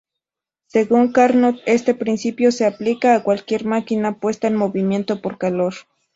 Según Carnot, este principio se aplica a cualquier máquina puesta en movimiento por calor.